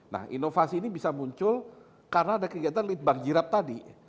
nah inovasi ini bisa muncul karena ada kegiatan lead bank jirap tadi